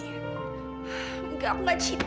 enggak aku enggak cinta